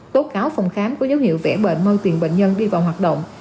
tố cáo phòng khám có dấu hiệu vẽ bệnh mong tiền bệnh nhân đi vào hoạt động